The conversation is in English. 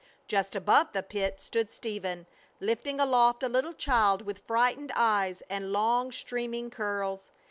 Just above the pit stood Stephen, lifting aloft a little child with frightened eyes and long streaming curls.